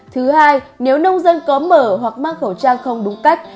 thứ hai nếu nông dân có mở hoặc mang khẩu trang không đúng cách